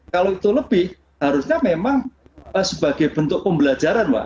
kalau itu lebih harusnya memang sebagai bentuk pembelajaran mbak